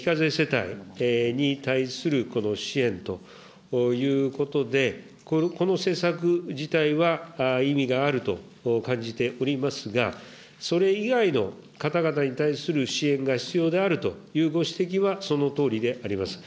ご指摘の５万円の給付につきまして、非課税世帯に対するこの支援ということで、この施策自体は意義があると感じておりますが、それ以外の方々に対する支援が必要であるというご指摘は、そのとおりであります。